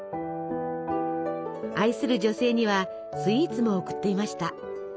愛する女性にはスイーツも贈っていました。